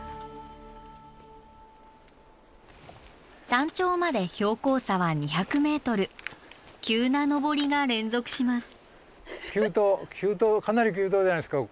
山頂まで標高差は２００ｍ急な登りが連続します。